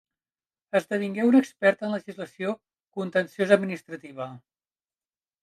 Esdevingué un expert en legislació contenciosa-administrativa.